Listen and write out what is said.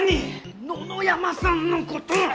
野々山さんのこと。